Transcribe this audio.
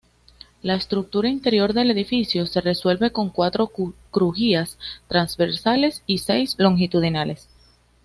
La estructura interior del edificio se resuelve con cuatro crujías transversales y seis longitudinales.